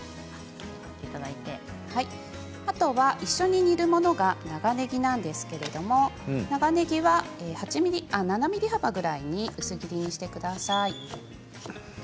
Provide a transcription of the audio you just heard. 一緒に入れるものが長ねぎなんですけれど７ｍｍ幅ぐらいに薄切りにしてください。